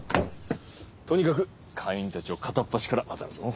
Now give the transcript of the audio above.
とにかく会員たちを片っ端からあたるぞ。